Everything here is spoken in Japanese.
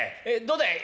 どうだい？